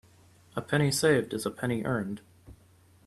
A penny saved is a penny earned.